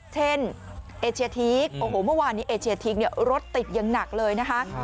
เอเชียทีกโอ้โหเมื่อวานนี้เอเชียทีกรถติดอย่างหนักเลยนะคะ